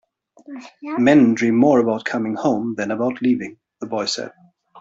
"Men dream more about coming home than about leaving," the boy said.